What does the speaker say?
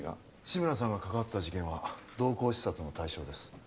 志村さんが関わった事件は動向視察の対象です